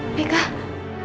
ya makasih dok